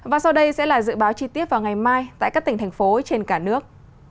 và sau đây sẽ là dự báo chi tiết vào ngày mai tại các tỉnh thành phố trên cả nước